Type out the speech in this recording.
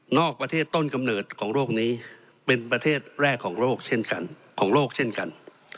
นอกประเทศต้นกำเนิดของโรคนี้เป็นประเทศแรกของโรคเช่นกัน